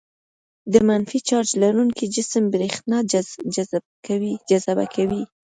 د منفي چارج لرونکي جسم برېښنا جذبه کوي.